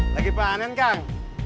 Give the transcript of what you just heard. lagi panen kan